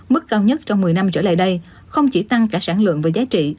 mức cao nhất trong một mươi năm trở lại đây không chỉ tăng cả sản lượng và giá trị